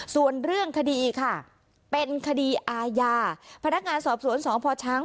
ส่วนเรื่องคดีค่ะเป็นคดีอาญาพนักงานสอบสวนสพช้าง